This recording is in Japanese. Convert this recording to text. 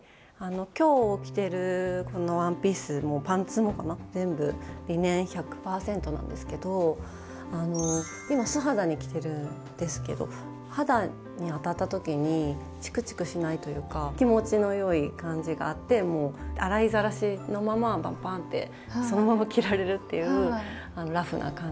今日着てるこのワンピースもパンツもかな全部リネン１００％なんですけど今素肌に着てるんですけど肌に当たった時にチクチクしないというか気持ちの良い感じがあってもう洗いざらしのままパンパンってそのまま着られるっていうラフな感じもすごく気に入ってます。